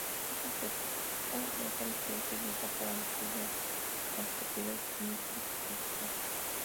Este isótopo es el que se utiliza para estudiar las propiedades químicas y físicas.